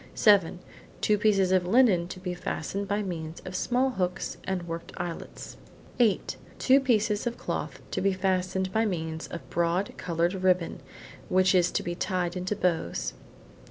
Seven: two pieces of linen to be fastened by means of small hooks and worked eyelets. Eight: two pieces of cloth to be fastened by means of broad coloured ribbon, which is to be tied into bows.